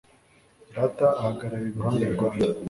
Data ahagarara iruhande rwanjye